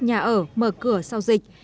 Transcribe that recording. nhà ở mở cửa sau dịch